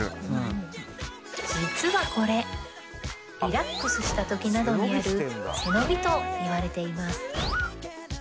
実はこれリラックスした時などにやる背伸びといわれています